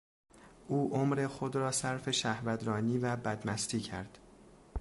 او عمر خود را صرف شهوترانی و بدمستی کرد.